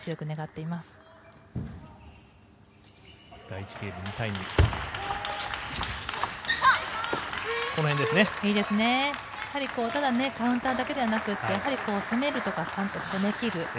いいですね、ただカウンターだけではなくて攻めるところは攻めきる。